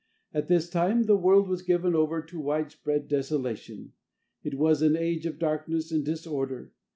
At this time the world was given over to widespread desolation. It was an age of darkness and disorder.